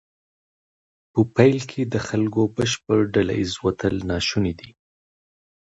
په پیل کې د خلکو بشپړ ډله ایز وتل ناشونی دی.